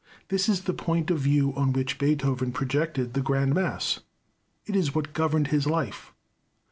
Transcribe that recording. This is the point of view on which Beethoven projected the grand mass. It is what governed his life.